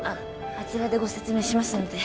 あちらでご説明しますので。